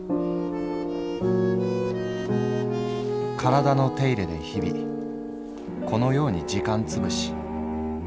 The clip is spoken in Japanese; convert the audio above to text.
「体の手入れで日々このように時間つぶし」。